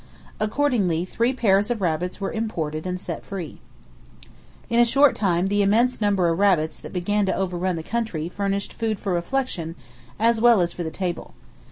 Accordingly, three pairs of rabbits were imported and set free. In a short time, the immense number of rabbits that began to overrun the country furnished food for reflection, as well as for the table.